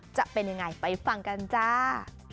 จะเป็นยังไงไปฟังกันจ้า